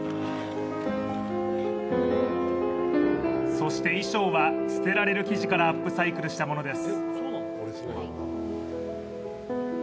そして衣装は捨てられる生地からアップサイクルしたものです。